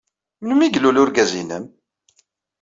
Melmi ay ilul urgaz-nnem?